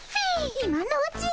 今のうちに。